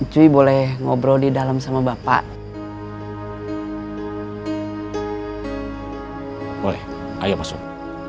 cari kejuan dalam b weiteren ruang